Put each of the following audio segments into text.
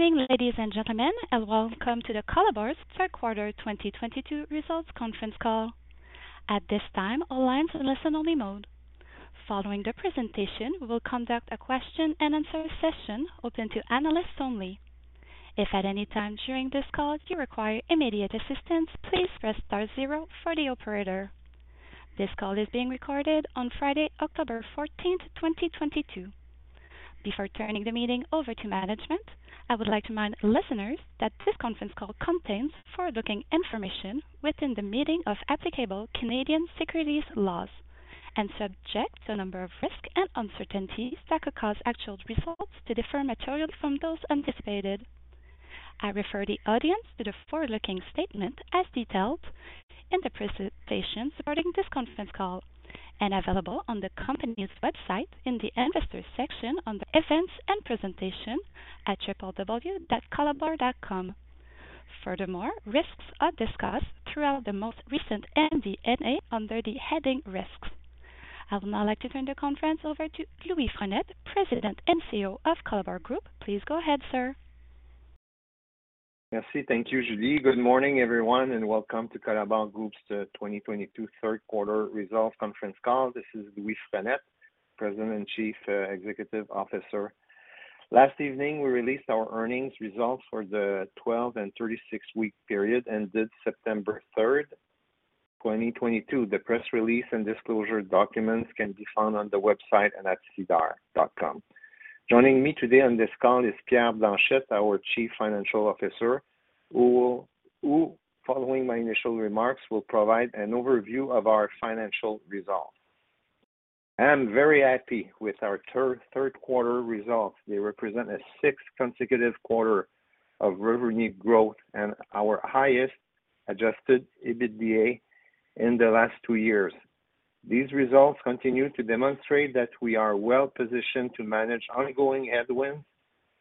Good morning, ladies and gentlemen, and welcome to the Colabor's third quarter 2022 results conference call. At this time, all lines in listen-only mode. Following the presentation, we will conduct a question and answer session open to analysts only. If at any time during this call you require immediate assistance, please press star zero for the operator. This call is being recorded on Friday, October 14th, 2022. Before turning the meeting over to management, I would like to remind listeners that this conference call contains forward-looking information within the meaning of applicable Canadian securities laws and subject to a number of risks and uncertainties that could cause actual results to differ materially from those anticipated. I refer the audience to the forward-looking statement as detailed in the presentation supporting this conference call and available on the company's website in the Investors section on the Events and Presentation at www.colabor.com. Furthermore, risks are discussed throughout the most recent MD&A under the heading Risks. I would now like to turn the conference over to Louis Frenette, President and CEO of Colabor Group. Please go ahead, sir. Thank you, Julie. Good morning, everyone, and welcome to Colabor Group's 2022 third quarter results conference call. This is Louis Frenette, President and Chief Executive Officer. Last evening, we released our earnings results for the 12th and 36th-week period ended September 3rd, 2022. The press release and disclosure documents can be found on the website and at SEDAR. Joining me today on this call is Pierre Blanchette, our Chief Financial Officer, who following my initial remarks, will provide an overview of our financial results. I am very happy with our third quarter results. They represent a sixth consecutive quarter of revenue growth and our highest Adjusted EBITDA in the last two years. These results continue to demonstrate that we are well-positioned to manage ongoing headwinds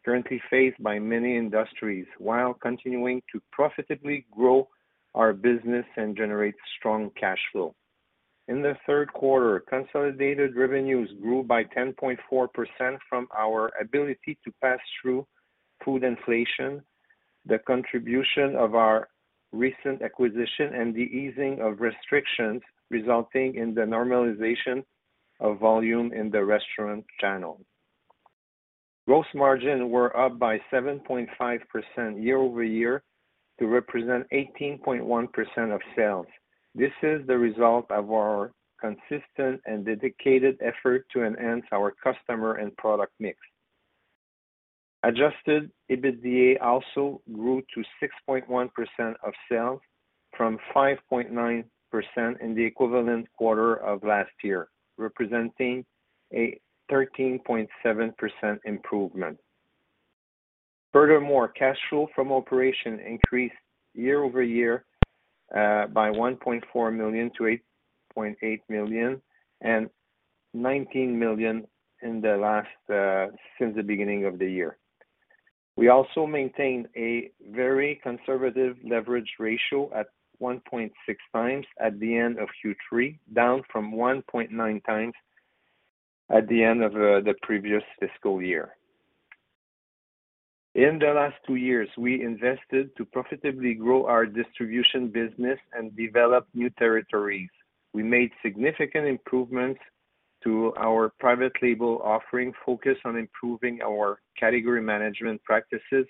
currently faced by many industries while continuing to profitably grow our business and generate strong cash flow. In the third quarter, consolidated revenues grew by 10.4% from our ability to pass through food inflation, the contribution of our recent acquisition, and the easing of restrictions resulting in the normalization of volume in the restaurant channel. Gross margin were up by 7.5% year-over-year to represent 18.1% of sales. This is the result of our consistent and dedicated effort to enhance our customer and product mix. Adjusted EBITDA also grew to 6.1% of sales from 5.9% in the equivalent quarter of last year, representing a 13.7% improvement. Furthermore, cash flow from operation increased year-over-year by 1.4 million-8.8 million and 19 million in the last since the beginning of the year. We also maintain a very conservative leverage ratio at 1.6x at the end of Q3, down from 1.9x at the end of the previous fiscal year. In the last two years, we invested to profitably grow our distribution business and develop new territories. We made significant improvements to our private label offering, focused on improving our category management practices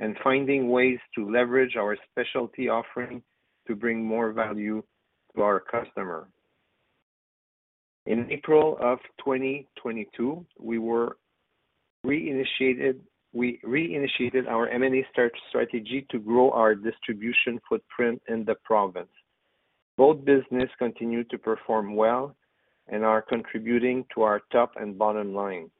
and finding ways to leverage our specialty offering to bring more value to our customers. In April of 2022, we reinitiated our M&A strategy to grow our distribution footprint in the province. Both businesses continue to perform well and are contributing to our top and bottom line.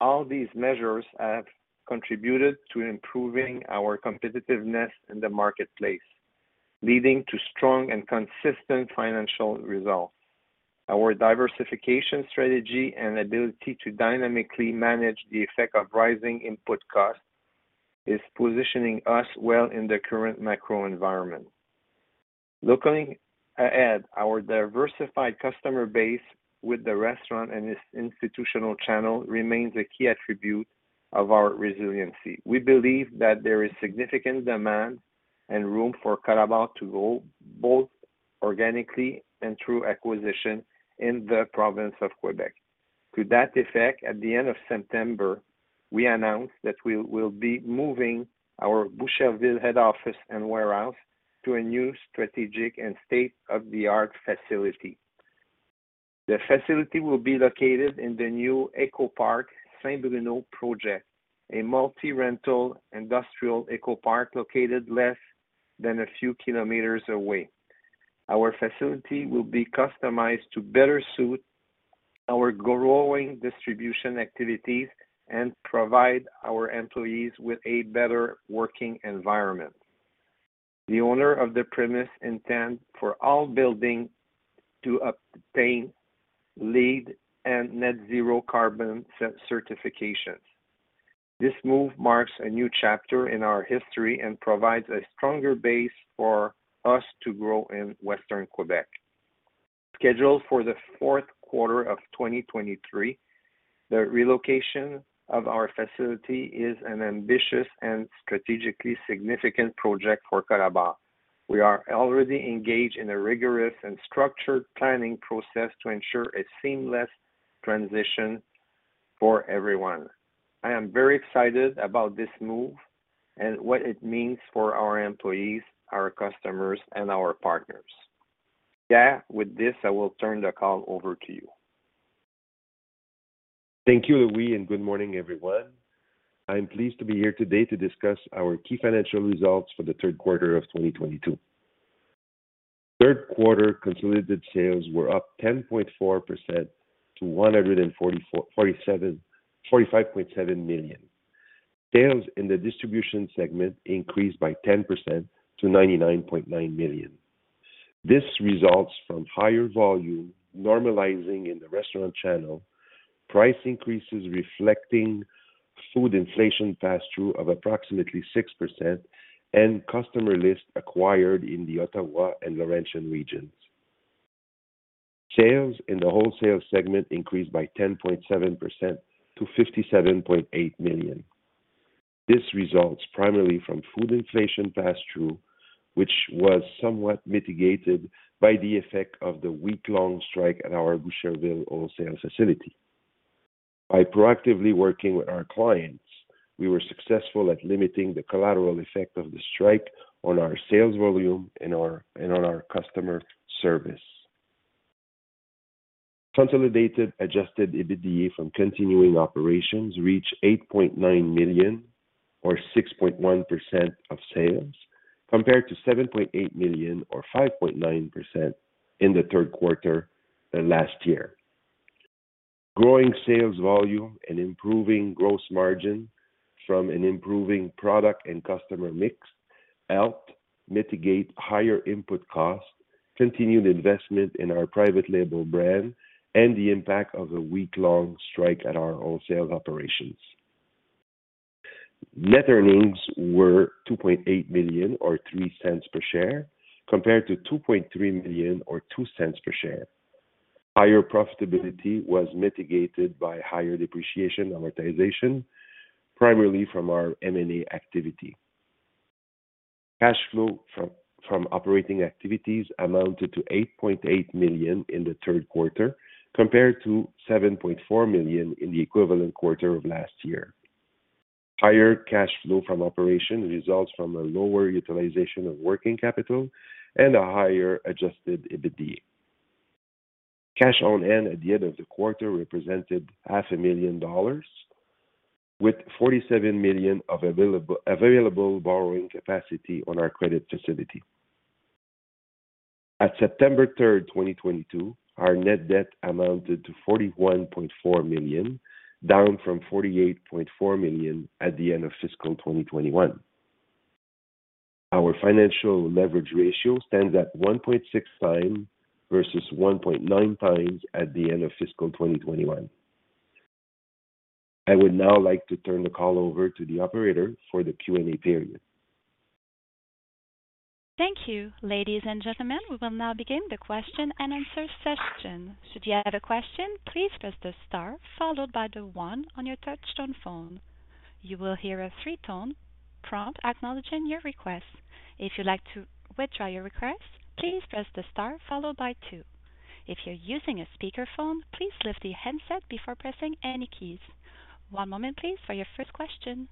All these measures have contributed to improving our competitiveness in the marketplace, leading to strong and consistent financial results. Our diversification strategy and ability to dynamically manage the effect of rising input costs is positioning us well in the current macro environment. Looking ahead, our diversified customer base with the restaurant and institutional channel remains a key attribute of our resiliency. We believe that there is significant demand and room for Colabor to grow, both organically and through acquisition in the province of Quebec. To that effect, at the end of September, we announced that we will be moving our Boucherville head office and warehouse to a new strategic and state-of-the-art facility. The facility will be located in the new Ecoparc Saint-Bruno project, a multi-rental industrial ecopark located less than a few kilometers away. Our facility will be customized to better suit our growing distribution activities and provide our employees with a better working environment. The owner of the premises intend for all buildings to obtain LEED and net zero carbon certifications. This move marks a new chapter in our history and provides a stronger base for us to grow in Western Quebec. Scheduled for the fourth quarter of 2023, the relocation of our facility is an ambitious and strategically significant project for Colabor. We are already engaged in a rigorous and structured planning process to ensure a seamless transition for everyone. I am very excited about this move and what it means for our employees, our customers and our partners. With this, I will turn the call over to you. Thank you, Louis, and good morning, everyone. I'm pleased to be here today to discuss our key financial results for the third quarter of 2022. Third quarter consolidated sales were up 10.4% to 144,747,457. Sales in the distribution segment increased by 10% to 99.9 million. This results from higher volume normalizing in the restaurant channel, price increases reflecting food inflation pass through of approximately 6% and customer lists acquired in the Ottawa and Laurentian regions. Sales in the wholesale segment increased by 10.7% to 57.8 million. This results primarily from food inflation pass through, which was somewhat mitigated by the effect of the week-long strike at our Boucherville wholesale facility. By proactively working with our clients, we were successful at limiting the collateral effect of the strike on our sales volume and on our customer service. Consolidated Adjusted EBITDA from continuing operations reached 8.9 million or 6.1% of sales, compared to 7.8 million or 5.9% in the third quarter of last year. Growing sales volume and improving gross margin from an improving product and customer mix helped mitigate higher input costs, continued investment in our private label brand and the impact of a week-long strike at our wholesale operations. Net earnings were 2.8 million or 0.03 per share, compared to 2.3 million or 0.02 per share. Higher profitability was mitigated by higher depreciation and amortization, primarily from our M&A activity. Cash flow from operating activities amounted to 8.8 million in the third quarter compared to 7.4 million in the equivalent quarter of last year. Higher cash flow from operations results from a lower utilization of working capital and a higher Adjusted EBITDA. Cash on hand at the end of the quarter represented CAD half a million dollars, with 47 million of available borrowing capacity on our credit facility. At September 3rd, 2022, our net debt amounted to 41.4 million, down from 48.4 million at the end of fiscal 2021. Our financial leverage ratio stands at 1.6x versus 1.9x at the end of fiscal 2021. I would now like to turn the call over to the operator for the Q&A period. Thank you. Ladies and gentlemen, we will now begin the question and answer session. Should you have a question, please press the star followed by the one on your touchtone phone. You will hear a three-tone prompt acknowledging your request. If you'd like to withdraw your request, please press the star followed by two. If you're using a speakerphone, please lift the handset before pressing any keys. One moment please for your first question.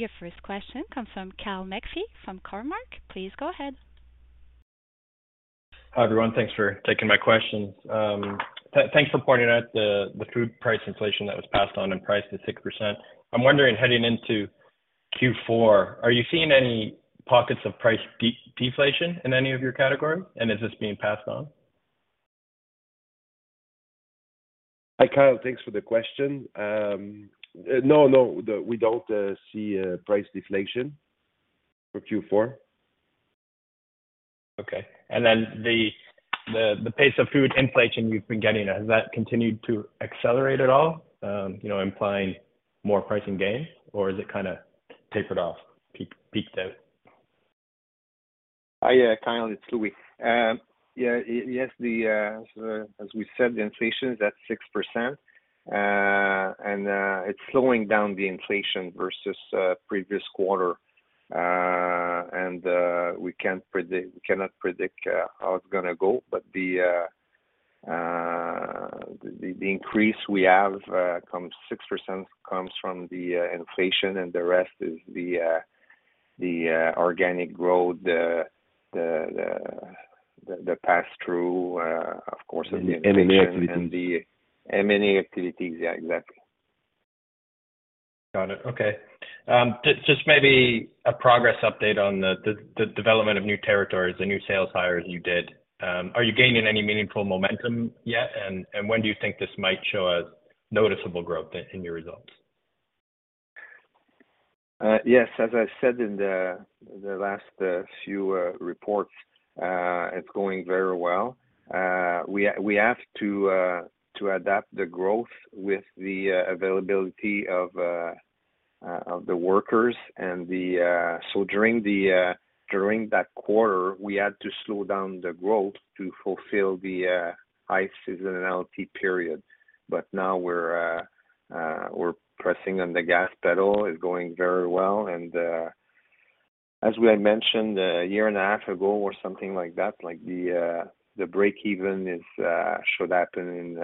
Your first question comes from Kyle McPhee from Cormark. Please go ahead. Hi, everyone. Thanks for taking my questions. Thanks for pointing out the food price inflation that was passed on in price to 6%. I'm wondering, heading into Q4, are you seeing any pockets of price deflation in any of your categories? Is this being passed on? Hi, Kyle. Thanks for the question. No, we don't see price deflation for Q4. Okay. The pace of food inflation you've been getting, has that continued to accelerate at all, you know, implying more pricing gains? Or has it kinda tapered off, peaked out? Hi, Kyle McPhee, it's Louis. As we said, the inflation is at 6%, and it's slowing down the inflation versus previous quarter. We cannot predict how it's gonna go, but the increase we have comes 6% from the inflation, and the rest is the organic growth, the pass through, of course. M&A activities. The M&A activities. Yeah, exactly. Got it. Okay. Just maybe a progress update on the development of new territories, the new sales hires you did. Are you gaining any meaningful momentum yet? When do you think this might show as noticeable growth in your results? Yes. As I said in the last few reports, it's going very well. We have to adapt the growth with the availability of the workers and the. During that quarter, we had to slow down the growth to fulfill the high seasonality period. Now we're pressing on the gas pedal, it's going very well. As we had mentioned a year and a half ago or something like that, like the break even is should happen in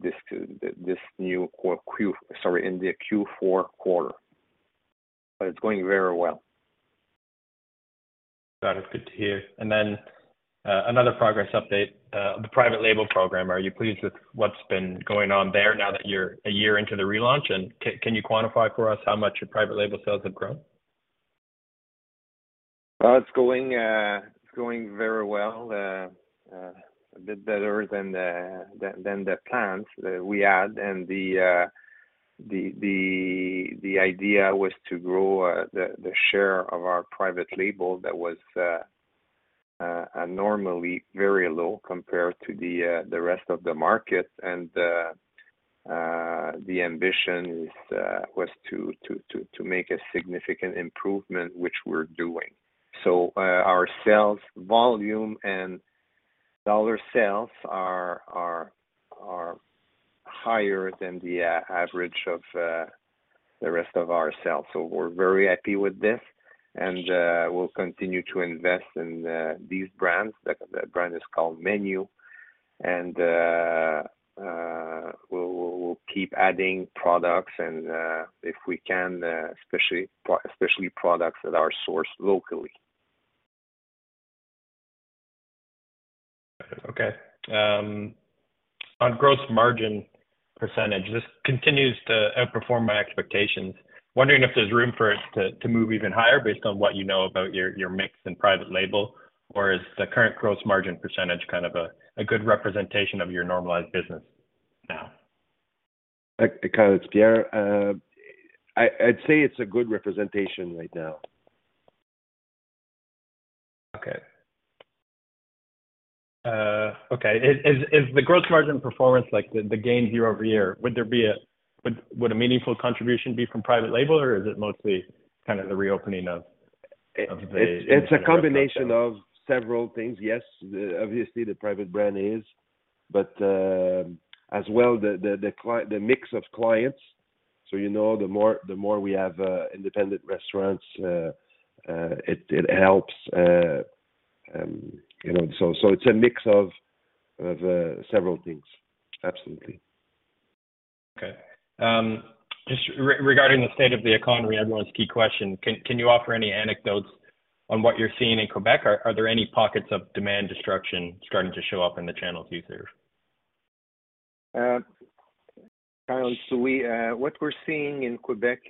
this new Q4 quarter. It's going very well. Got it. Good to hear. Another progress update, the private label program. Are you pleased with what's been going on there now that you're a year into the relaunch? Can you quantify for us how much your private label sales have grown? It's going very well. A bit better than the plans that we had. The idea was to grow the share of our private label that was normally very low compared to the rest of the market. The ambition was to make a significant improvement, which we're doing. Our sales volume and dollar sales are higher than the average of the rest of our sales. We're very happy with this, and we'll continue to invest in these brands. The brand is called Menu. We'll keep adding products and, if we can, especially products that are sourced locally. Okay. On gross margin percentage, this continues to outperform my expectations. Wondering if there's room for it to move even higher based on what you know about your mix and private label, or is the current gross margin percentage kind of a good representation of your normalized business now? Kyle, it's Pierre. I'd say it's a good representation right now. Okay. Is the gross margin performance like the gain year-over-year? Would a meaningful contribution be from private label, or is it mostly kind of the reopening of the It's a combination of several things. Yes, obviously the private brand is, but as well, the mix of clients. You know, the more we have independent restaurants, it helps. You know, it's a mix of several things. Absolutely. Okay. Just regarding the state of the economy, everyone's key question, can you offer any anecdotes on what you're seeing in Quebec? Are there any pockets of demand destruction starting to show up in the channels you serve? Kyle, what we're seeing in Quebec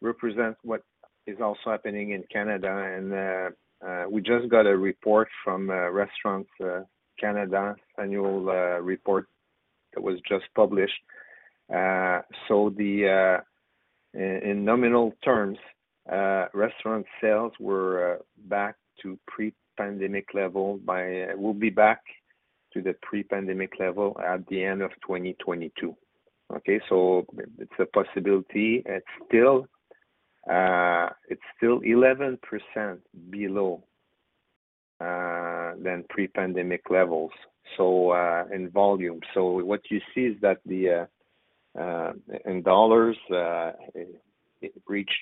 represents what is also happening in Canada. We just got a report from Restaurants Canada annual report that was just published. In nominal terms, restaurant sales will be back to the pre-pandemic level at the end of 2022. Okay. It's a possibility. It's still 11% below than pre-pandemic levels, in volume. What you see is that in dollars it reached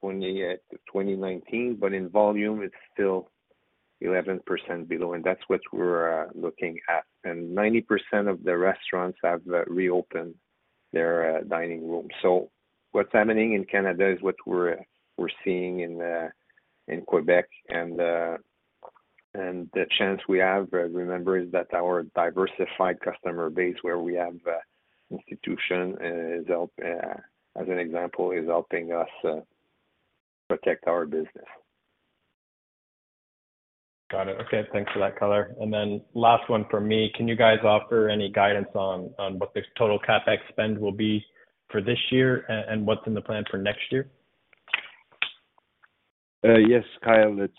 2019, but in volume it's still 11% below, and that's what we're looking at. 90% of the restaurants have reopened their dining room. What's happening in Canada is what we're seeing in Quebec. The chance we have, remember, is that our diversified customer base, where we have institutions, as an example, is helping us protect our business. Got it. Okay. Thanks for that color. Last one from me. Can you guys offer any guidance on what the total CapEx spend will be for this year and what's in the plan for next year? Yes, Kyle. It's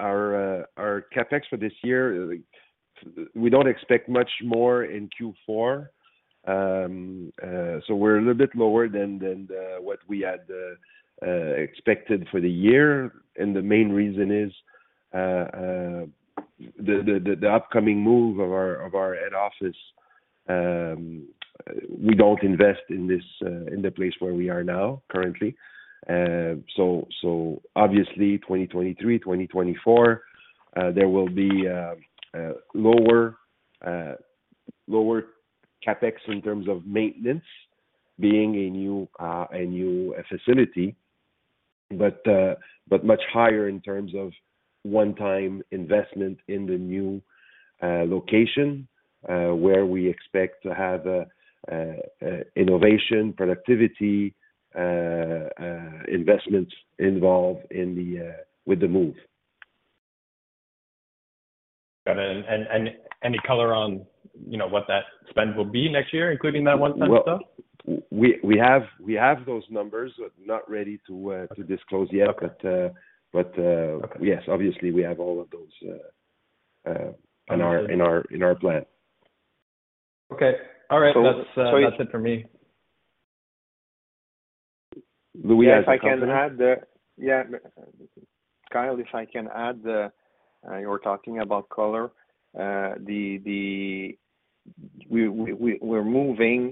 our CapEx for this year. We don't expect much more in Q4. We're a little bit lower than what we had expected for the year. The main reason is the upcoming move of our head office. We don't invest in this in the place where we are now currently. Obviously 2023, 2024, there will be lower CapEx in terms of maintenance being a new facility, but much higher in terms of one-time investment in the new location where we expect to have innovation, productivity investments involved with the move. Got it. Any color on, you know, what that spend will be next year, including that one-time stuff? Well, we have those numbers, but not ready to disclose yet. Okay. But, uh, but, uh. Okay. Yes. Obviously, we have all of those in our plan. Okay. All right. So. That's it for me. Louis, anything to add? Yes, if I can add there. Yeah. Kyle, if I can add, you're talking about Colabor. We're moving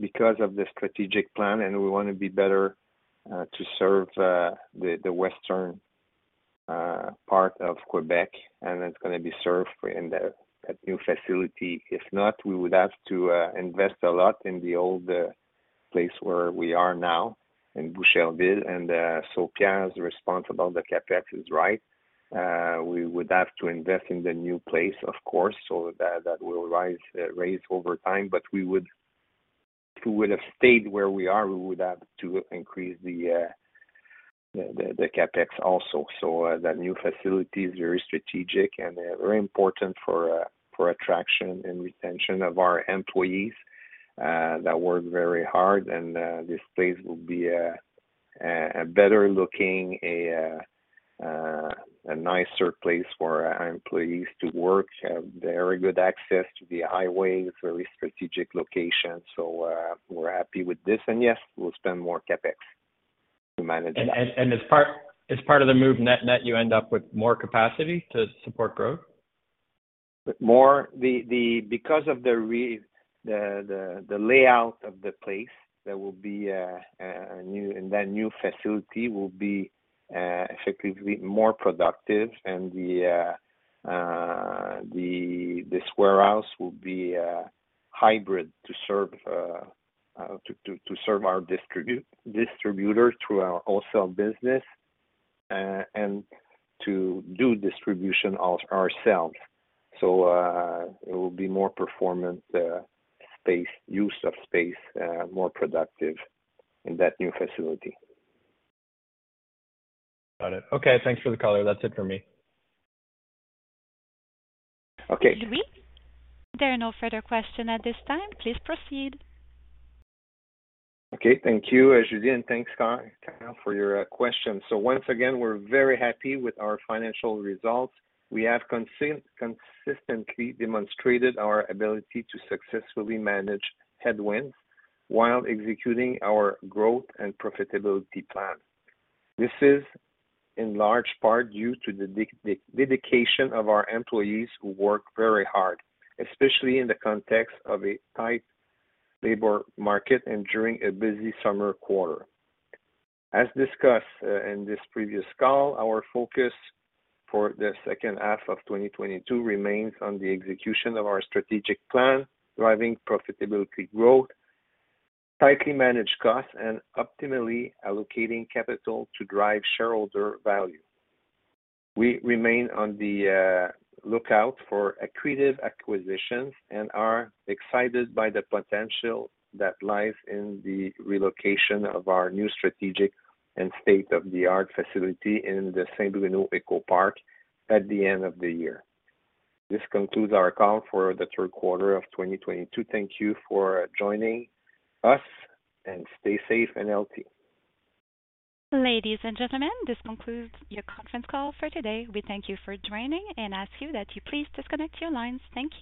because of the strategic plan, and we wanna be better to serve the western part of Quebec, and it's gonna be served in that new facility. If not, we would have to invest a lot in the old place where we are now in Boucherville. Pierre is responsible, the CapEx is right. We would have to invest in the new place, of course, so that will raise over time. If we would have stayed where we are, we would have to increase the CapEx also. that new facility is very strategic and very important for attraction and retention of our employees that work very hard. This place will be a nicer place for our employees to work. Very good access to the highway. It's very strategic location. We're happy with this. Yes, we'll spend more CapEx to manage that. As part of the move net-net, you end up with more capacity to support growth? Because of the layout of the place, there will be a new facility that will be effectively more productive. This warehouse will be hybrid to serve our distributors through our wholesale business and to do distribution ourselves. It will be more performance space, use of space, more productive in that new facility. Got it. Okay. Thanks for the color. That's it for me. Okay. Louis? There are no further questions at this time. Please proceed. Thank you, and thanks Kyle for your questions. Once again, we're very happy with our financial results. We have consistently demonstrated our ability to successfully manage headwinds while executing our growth and profitability plan. This is in large part due to the dedication of our employees who work very hard, especially in the context of a tight labor market and during a busy summer quarter. As discussed in this previous call, our focus for the second half of 2022 remains on the execution of our strategic plan, driving profitability growth, tightly managed costs, and optimally allocating capital to drive shareholder value. We remain on the lookout for accretive acquisitions and are excited by the potential that lies in the relocation of our new strategic and state-of-the-art facility in the Saint-Bruno Ecopark at the end of the year. This concludes our call for the third quarter of 2022. Thank you for joining us, and stay safe and healthy. Ladies and gentlemen, this concludes your conference call for today. We thank you for joining and ask you that you please disconnect your lines. Thank you.